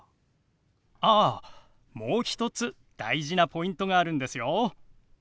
あっもう一つ大事なポイントがあるんですよ。